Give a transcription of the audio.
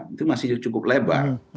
itu masih cukup lebar